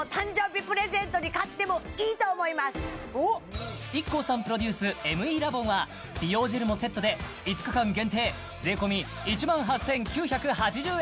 これはＩＫＫＯさんプロデュースＭＥラボンは美容ジェルもセットで５日間限定税込１万８９８０円